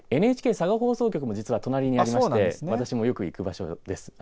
ＮＨＫ佐賀放送局も実は隣にありまして私もよく行く場所です。